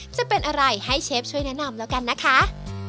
จะเป็นอะไรให้เชฟช่วยแนะนำแล้วกันนะคะ